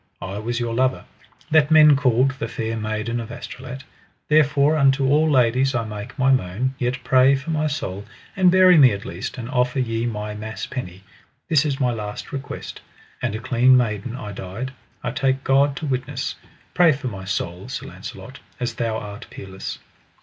I was your lover, that men called the Fair Maiden of Astolat; therefore unto all ladies I make my moan, yet pray for my soul and bury me at least, and offer ye my mass penny: this is my last request. And a clean maiden I died, I take God to witness: pray for my soul, Sir Launcelot, as thou art peerless.